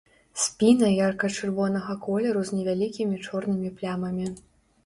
Спіна ярка-чырвонага колеру з невялікімі чорнымі плямамі.